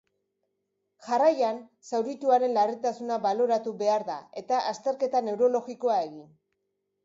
Jarraian, zaurituaren larritasuna baloratu behar da, eta azterketa neurologikoa egin.